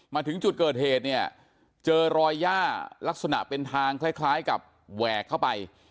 มาถึงจุดเกิดเหตุเนี่ยเจอรอยย่าลักษณะเป็นทางคล้ายกับแหวกเข้าไป